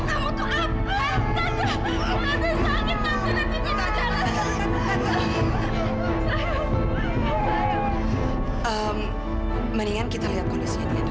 akhirnya kita bisa pulang juga ya bu